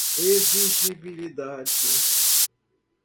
exigibilidade